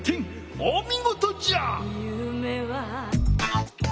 おみごとじゃ！